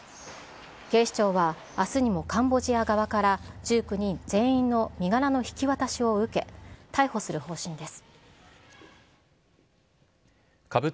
警視庁はあすにも、カンボジア側から１９人全員の身柄の引き渡しを受け、逮捕する方針です。